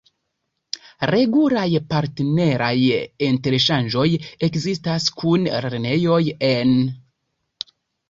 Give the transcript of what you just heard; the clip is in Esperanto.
Regulaj partneraj interŝanĝoj ekzistas kun lernejoj en...